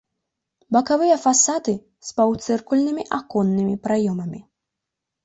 Бакавыя фасады з паўцыркульнымі аконнымі праёмамі.